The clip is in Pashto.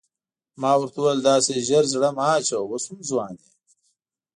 ما ورته وویل داسې ژر زړه مه اچوه اوس هم ځوان یې.